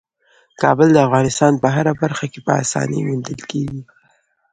کابل د افغانستان په هره برخه کې په اسانۍ موندل کېږي.